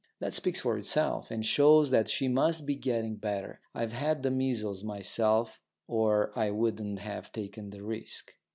That speaks for itself, and shows that she must be getting better. I've had the measles myself or I wouldn't have taken the risk.